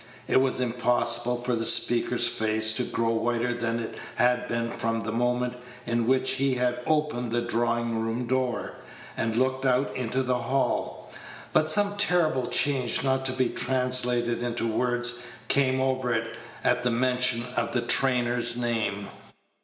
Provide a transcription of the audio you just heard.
It was impossible for the speaker's face to grow whiter than it had been from the moment in which he had opened the drawing room door, and looked out into the hall; but some terrible change not to be translated into words came over it at the mention of the trainer's name.